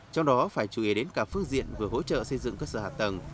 trong đó phải chú ý đến cả phương diện vừa hỗ trợ xây dựng cơ sở hạ tầng